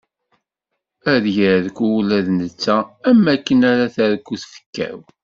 Ad yerku ula d netta am waken ara terku tfekka-w.